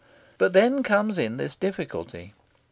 But then comes in this difficulty.